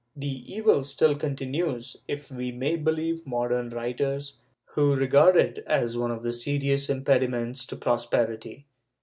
^ The evil still continues, if we may believe modern writers who regard it as one of the serious impedi ments to prosperity.